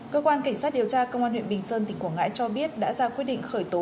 cơ quan cảnh sát điều tra công an huyện bình sơn tỉnh quảng ngãi cho biết đã ra quyết định khởi tố